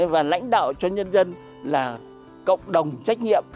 và lãnh đạo cho nhân dân là cộng đồng trách nhiệm